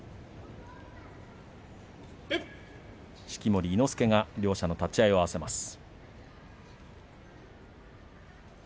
式守伊之助が両者の立ち合いを合わせます。